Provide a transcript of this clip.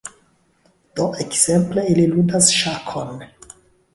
Do, ekzemple ili ludas ŝakon